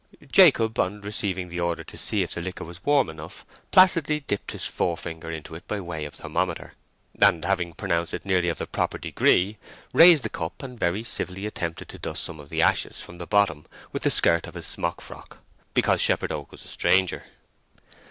Jacob, on receiving the order to see if the liquor was warm enough, placidly dipped his forefinger into it by way of thermometer, and having pronounced it nearly of the proper degree, raised the cup and very civilly attempted to dust some of the ashes from the bottom with the skirt of his smock frock, because Shepherd Oak was a stranger.